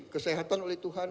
kesehatan oleh tuhan